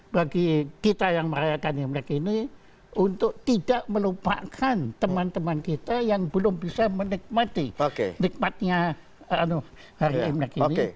bagi kita yang merayakan imlek ini untuk tidak melupakan teman teman kita yang belum bisa menikmati nikmatnya hari imlek ini